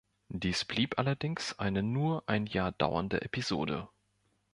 Dies blieb allerdings eine nur ein Jahr dauernde Episode.